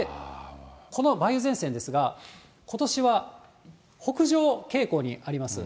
この梅雨前線ですが、ことしは北上傾向にあります。